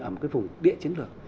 ở một cái vùng địa chiến lược